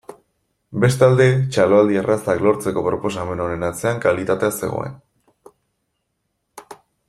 Bestalde, txaloaldi errazak lortzeko proposamen honen atzean kalitatea zegoen.